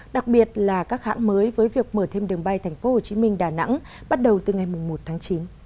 đặc biệt là các hãng mới với việc mở thêm đường bay tp hcm đà nẵng bắt đầu từ ngày một tháng chín